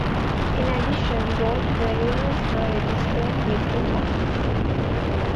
In addition, both burials were registered with the town.